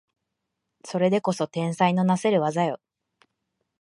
それでこそ天才のなせる技よ